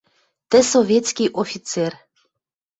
Тӹ советский офицер.